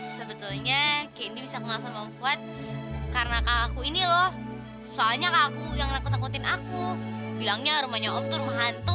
sebetulnya karena aku ini loh soalnya aku yang takutin aku bilangnya rumahnya untuk hantu